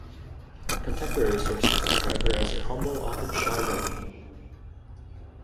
Contemporary sources describe her as a humble, often shy woman.